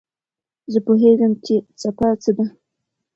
زه پوهېږم چې څپه څه ده.